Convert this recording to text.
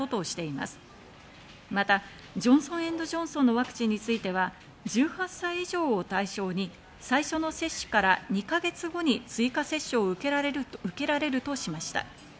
またジョンソン・エンド・ジョンソンのワクチンについては、１８歳以上を対象に最初の接種から２か月後に追加接種を受けられるとしました。